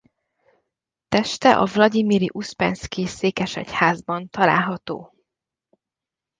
Teste a vlagyimiri Uszpenszkij-székesegyházban található.